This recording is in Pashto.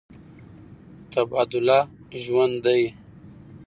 تبادله ژوند دی.